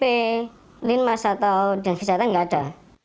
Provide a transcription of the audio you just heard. maksin masa tau dan kesehatan gak ada